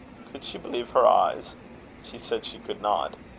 Could she believe her eyes? She said she could not.